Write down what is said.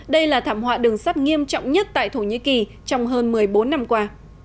đây là thảm họa đường sắt nghiêm trọng nhất tại thổ nhĩ kỳ trong hơn một mươi bốn năm qua